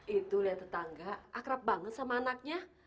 itu lihat tetangga akrab banget sama anaknya